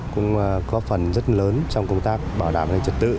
cũng có phần rất lớn trong công tác bảo đảm an ninh trật tự